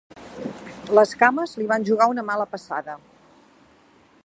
Les cames li van jugar una mala passada.